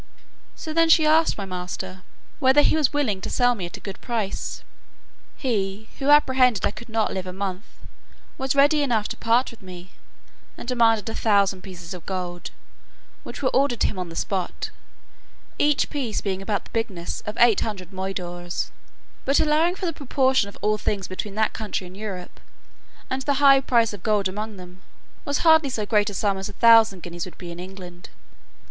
She then asked my master, "whether he was willing to sell me at a good price?" He, who apprehended I could not live a month, was ready enough to part with me, and demanded a thousand pieces of gold, which were ordered him on the spot, each piece being about the bigness of eight hundred moidores; but allowing for the proportion of all things between that country and Europe, and the high price of gold among them, was hardly so great a sum as a thousand guineas would be in England.